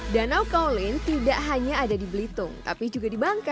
danau kolin tidak hanya ada di belitung tapi juga di bangka